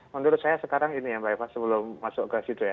menurut saya sekarang ini ya mbak eva sebelum masuk ke situ ya